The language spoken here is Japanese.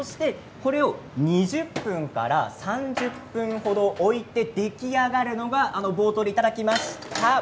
２０分から３０分程、置いて出来上がるのがあの冒頭でいただきました